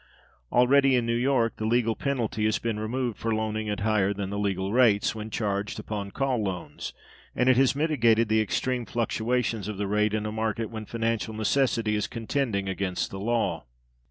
Already in New York the legal penalty has been removed for loaning at higher than the legal rates when charged upon call loans; and it has mitigated the extreme fluctuations of the rate in a market when financial necessity is contending against the law.